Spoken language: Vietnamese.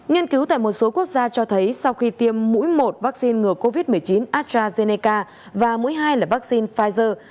nghiên cứu tại một số quốc gia cho thấy sau khi tiêm mũi một vaccine ngừa covid một mươi chín astrazeneca và mũi hai là vaccine pfizer